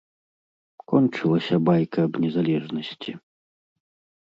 Кончылася байка аб незалежнасці.